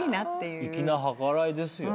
粋な計らいですよね。